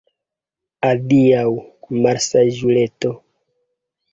Adiaŭ, malsaĝuleto!